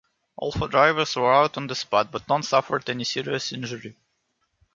All four drivers were out on the spot, but none suffered any serious injury.